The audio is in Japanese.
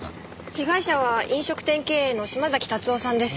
被害者は飲食店経営の島崎達夫さんです。